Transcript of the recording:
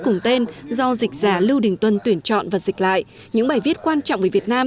cùng tên do dịch giả lưu đình tuân tuyển chọn và dịch lại những bài viết quan trọng về việt nam